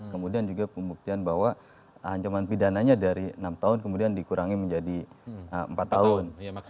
kemudian juga pembuktian bahwa ancaman pidananya dari enam tahun kemudian dikurangi menjadi empat tahun